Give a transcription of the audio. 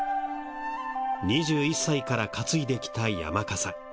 ２１歳から担いできた山笠。